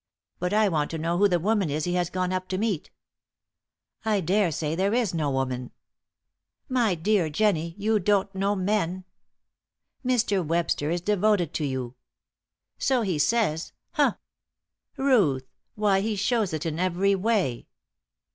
But I want to know who the woman is he has gone up to meet." "I daresay there is no woman." "My dear Jennie, you don't know men." "Mr. Webster is devoted to you." "So he says. Humph!" "Ruth! Why, he shews it in every way."